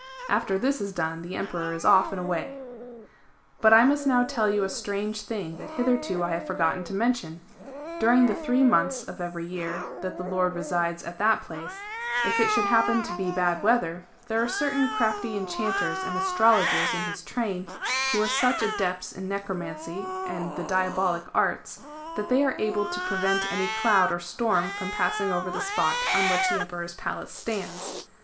After this is done, the Emperor is off and away.'' But I must now tell you a strange thing that hitherto I have forgotten to mention. During the three months of every year that the Lord resides at that place, if it should happen to be bad weather, there are certain crafty enchanters and astrologers in his train, who are such adepts in necromancy and the diabolic arts, that they are able to prevent any cloud or storm from passing over the spot on which the Emperor's Palace stands.